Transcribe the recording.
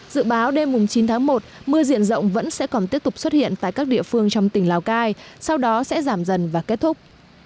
dự báo đêm chín tháng một mưa diện rộng vẫn sẽ còn tiếp tục xuất hiện tại các địa phương trong tỉnh lào cai sau đó sẽ giảm dần và kết thúc